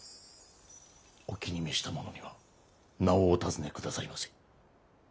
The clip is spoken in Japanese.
お気に召した者には名をお尋ね下さいませ。